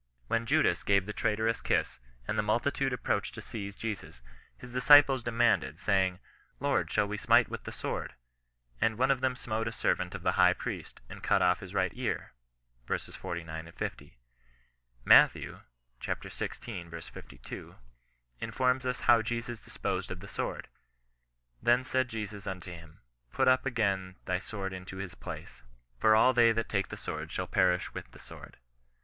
When Judas gave the traitorous kiss, and the midtitude approached to seize Jesus, his disciples demanded, saying, '^ Lord, shall we smite with the sword 1 Audi one of them smote a servant of the high priest, and cut off his right ear," ver. 49, 50. Matthew (xxvi. 52) in forms us how Jesus disposed of the sword. '' Then said Jesus unto him, put up again thy sword into his \[laAj^v 60 CHRISTIAN N0K RE8ISTANCE. for all they that take the sword shall perish with the sword."